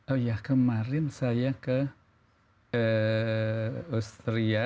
oh ya kemarin saya ke austria